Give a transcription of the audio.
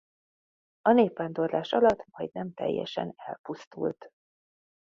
A népvándorlás alatt majdnem teljesen elpusztult.